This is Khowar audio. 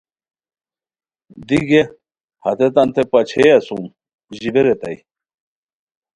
دی گیے ہتیتان تتے پاچیئے اسوم ژیبے ریتائے